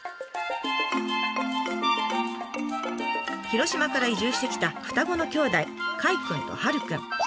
広島から移住してきた双子の兄弟カイくんとハルくん。